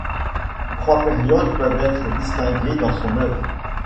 Trois périodes peuvent être distinguées dans son œuvre.